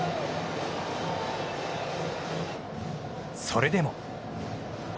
それでも。